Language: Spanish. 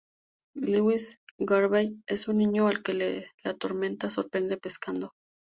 Lewis Garvey es un niño al que la tormenta sorprende pescando.